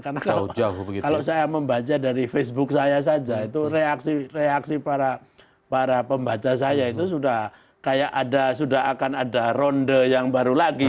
karena kalau saya membaca dari facebook saya saja itu reaksi para pembaca saya itu sudah kayak ada sudah akan ada ronde yang baru lagi